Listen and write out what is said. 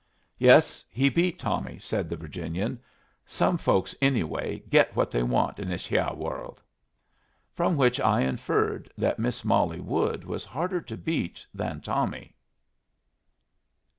"Yes, he beat Tommy," said the Virginian. "Some folks, anyway, get what they want in this hyeh world." From which I inferred that Miss Molly Wood was harder to beat than Tommy.